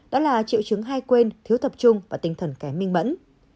đó là triệu chứng hay quên thiếu tập trung và tinh thần kém minh mẫn